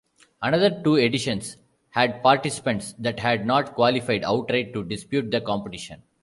Another two editions had participants that had not qualified outright to dispute the competition.